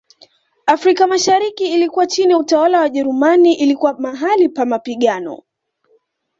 Afrika mashariki ilikuwa chini ya utawala wa Wajerumani ilikuwa mahali pa mapigano